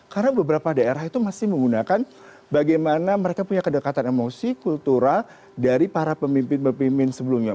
karena beberapa daerah itu masih menggunakan bagaimana mereka punya kedekatan emosi kultura dari para pemimpin pemimpin sebelumnya